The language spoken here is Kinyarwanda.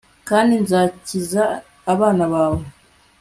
kandi nzakiza abana bawe